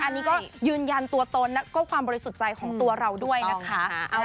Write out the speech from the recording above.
อันนี้ก็ยืนยันตัวตนแล้วก็ความบริสุทธิ์ใจของตัวเราด้วยนะคะ